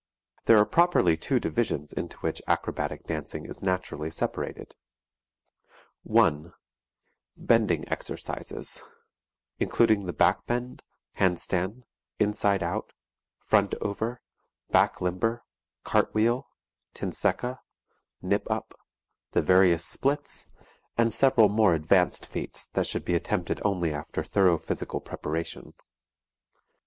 There are properly two divisions into which acrobatic dancing is naturally separated: (1) Bending exercises; including the back bend, hand stand, inside out, front over, back limber, cartwheel, tinseca, nip up, the various splits, and several more advanced feats that should be attempted only after thorough physical preparation.